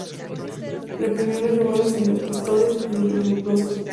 Reprimió las revueltas de los pastores y de los leprosos.